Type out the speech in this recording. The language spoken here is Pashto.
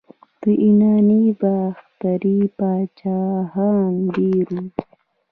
د یونانو باختري پاچاهان ډیر وو